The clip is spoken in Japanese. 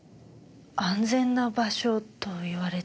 安全な場所と言われても。